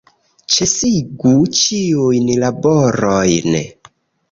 Ĉesigu ĉiujn laborojn!